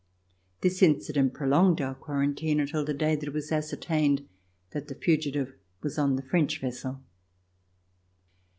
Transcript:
This incident prolonged our quarantine until the day that it was ascertained that the fugitive was on the French vessel.